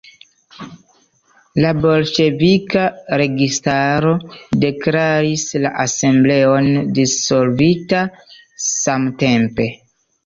La bolŝevika registaro deklaris la Asembleon dissolvita samtempe.